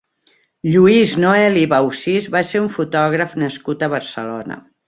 Lluís Noëlle i Baucis va ser un fotògraf nascut a Barcelona.